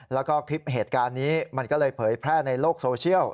แล้วก็คลิปเหตุการณ์นี้มันก็เลยเผยแพร่ในโลกโซเชียล